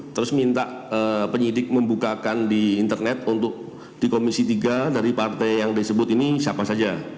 terus minta penyidik membukakan di internet untuk di komisi tiga dari partai yang disebut ini siapa saja